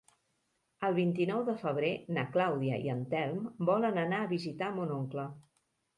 El vint-i-nou de febrer na Clàudia i en Telm volen anar a visitar mon oncle.